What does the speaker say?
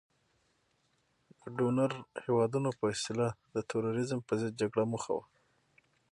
د ډونر هیوادونو په اصطلاح د تروریزم په ضد جګړه موخه وه.